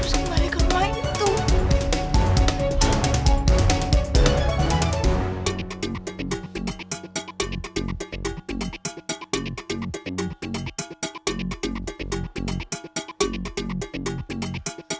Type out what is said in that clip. siapa ini pagi pagi telur